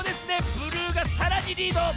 ブルーがさらにリード。